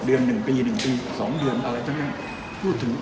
๖เดือน๑ปี๑ปี๒เดือนอะไรจะแน่